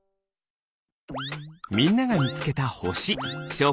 みんながみつけたほし。